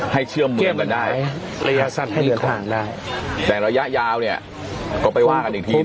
ให้เชื่อมเมืองกันได้ครับแต่ระยะยาวเนี่ยก็ไปว่ากันอีกทีนึง